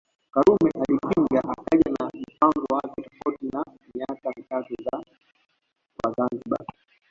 Karume alipinga akaja na mpango wake tofauti wa miaka mitatu kwa Zanzibar